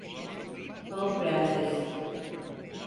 Pamuk Prenses.